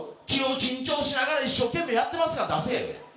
緊張しながら一生懸命やってます感出せ。